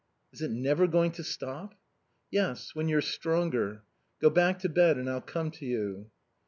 "Is it never going to stop?" "Yes, when you're stronger. Go back to bed and I'll come to you."